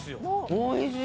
おいしい。